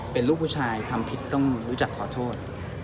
เป็นลูกผู้ชายทำผิดต้องรู้จักขอโทษ